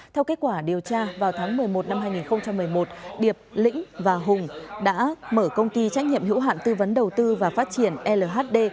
theo kết quả điều tra vào tháng một mươi một năm hai nghìn một mươi một điệp lĩnh và hùng đã mở công ty trách nhiệm hữu hạn tư vấn đầu tư và phát triển lhd